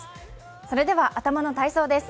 それでは、頭の体操です。